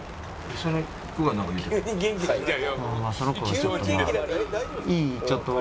その子がちょっとまあ。